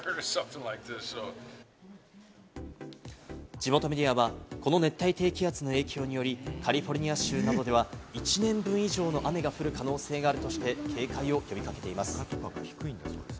地元メディアはこの熱帯低気圧の影響により、カリフォルニア州などでは、１年分以上の雨が降る可能性があるとして警戒を呼び掛けています。